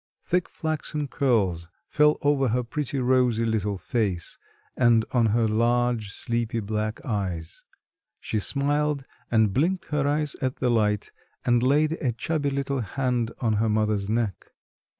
Thick flaxen curls fell over her pretty rosy little face, and on to her large sleepy black eyes; she smiled and blinked her eyes at the light and laid a chubby little hand on her mother's neck.